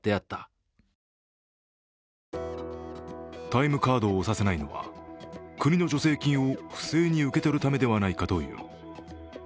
タイムカードを押させないのは国の助成金を不正に受け取るためではないかという。